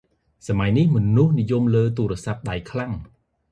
ស័មយនេះ មនុស្សនិយមលើ ទូរស័ព្ទដៃខ្លាំង ។